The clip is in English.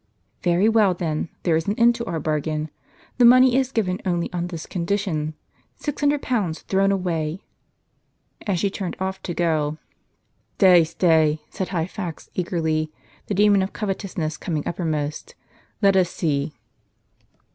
"Very well, then; there is an end to our bargain. The money is given only on this condition. Six hundred pounds thrown away !" And she turned off to go. " Stay, stay," said Hyphax, eagerly ; the demon of covet ousness coming uppermost. " Let us see.